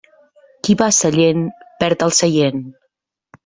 Qui va a Sallent perd el seient.